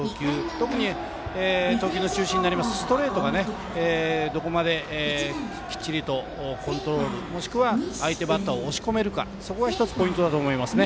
特に投球の中心になるストレートがどこまできっちりとコントロール、もしくは相手バッターを押し込めるかがポイントですね。